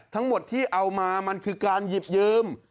ทั้งหมดที่เอามามันคือการหยิบยืม